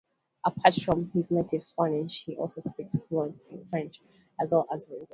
Apart from his native Spanish, he also speaks fluent French, as well as English.